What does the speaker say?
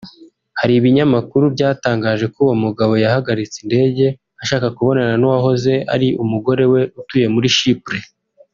Hari ibinyamakuru byatangaje ko uwo mugabo yahagaritse indege ashaka kubonana n’uwahoze ari umugore we utuye muri Chypre